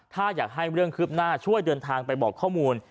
ถ้าอยากให้เรื่องคืบหน้าช่วยเดินทางไปบอกข้อมูล